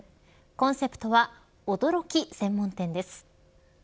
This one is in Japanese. コンセプトはおドろき専門店です。